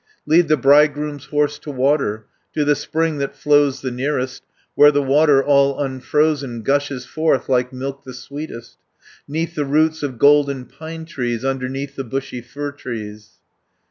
"Lead the bridegroom's horse to water, To the spring that flows the nearest, Where the water all unfrozen, Gushes forth; like milk the sweetest, 'Neath the roots of golden pine trees, Underneath the bushy fir trees.